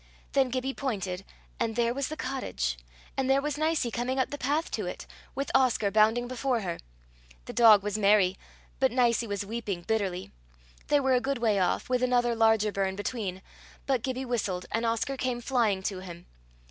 Then Gibbie pointed, and there was the cottage, and there was Nicie coming up the path to it, with Oscar bounding before her! The dog was merry, but Nicie was weeping bitterly. They were a good way off, with another larger burn between; but Gibbie whistled, and Oscar came flying to him.